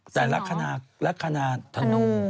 แต่ระคาหนาทนุ